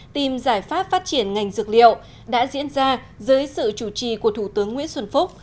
tìm giải pháp phát triển ngành dược liệu đã diễn ra dưới sự chủ trì của thủ tướng nguyễn xuân phúc